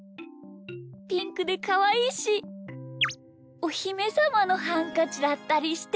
ピンクでかわいいしおひめさまのハンカチだったりして。